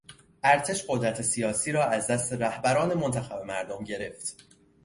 ارتش قدرت سیاسی را از دست رهبران منتخب مردم گرفت.